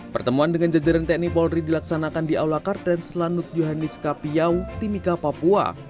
pertemuan dengan jajaran tni polri dilaksanakan di aula kartens lanut yohanis kapiau timika papua